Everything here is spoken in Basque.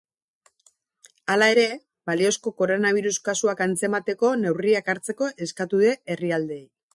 Hala ere, balizko koronabirus kasuak antzemateko neurriak hartzeko eskatu die herrialdeei.